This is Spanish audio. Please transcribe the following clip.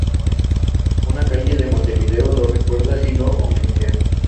Una calle en Montevideo lo recuerda y lo homenajea.